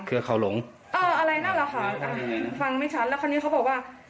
เครือเขาหลงเอออะไรนั่นแหละค่ะฟังไม่ชัดแล้วคราวนี้เขาบอกว่า